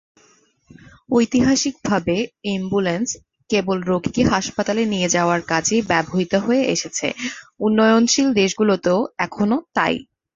ঐতিহাসিকভাবে, অ্যাম্বুলেন্স কেবল রোগীকে হাসপাতালে নিয়ে যাওয়ার কাজেই ব্যবহৃত হয়ে এসেছে; উন্নয়নশীল দেশগুলোতে এখনও তাই।